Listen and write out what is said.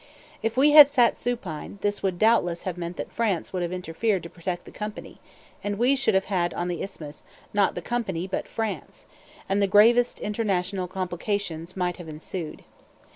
If we had sat supine, this would doubtless have meant that France would have interfered to protect the company, and we should then have had on the Isthmus, not the company, but France; and the gravest international complications might have ensued.